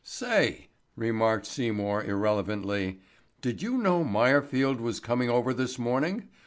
"Say," remarked Seymour irrelevantly, "did you know Meyerfield was coming over this morning?